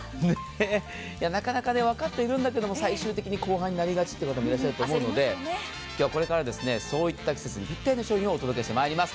なかなかわかっているんだけど、なかなか後半になりがちという方も多いと思いますけれども今日これからそういった季節にぴったりの商品をお届けしてまいります。